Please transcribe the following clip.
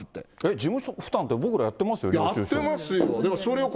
事務負担って、僕らやってます？